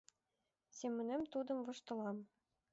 Семынем тудым воштылам.